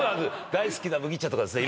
大好きな麦茶とかですね